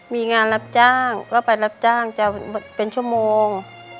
มีงานรับจ้างก็ไปรับจ้างจะเป็นชั่วโมง